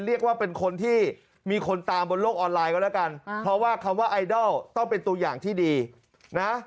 เรียกว่าเป็นคนที่มีคนตามบนโลกออนไลน์ก็แล้วกันเพราะว่าคำว่าไอดอลต้องเป็นตัวอย่างที่ดีนะ